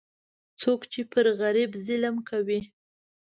څوک چې پر غریب ظلم کوي،